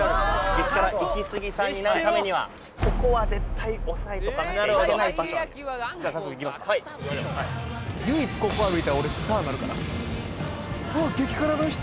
激辛イキスギさんになるためにはここは絶対押さえとかなきゃいけない場所なんですじゃあ早速行きますかはい唯一ここ歩いたら俺スターになるから「うわっ激辛の人」